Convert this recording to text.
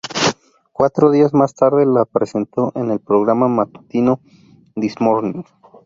Cuatro días más tarde, la presentó en el programa matutino "This Morning".